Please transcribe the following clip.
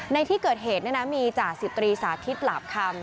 ในที่เกิดเหตุเนี่ยนะมีจ่าสิตรีสาธิตหลับคำ